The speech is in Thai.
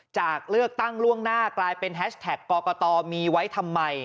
จากเลือกตั้งล่วงหน้ากลายเป็นแฮชแท็กกตมีไว้ทำไม